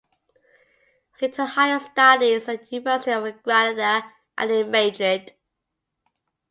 He took higher studies at the University of Granada and in Madrid.